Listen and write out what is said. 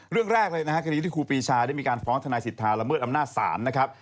เรื่องแรกเลยนะฮะคดีที่ครูปีชาได้มีการฟ้องทนายสิทธาละเมิดอำนาจศาลนะครับ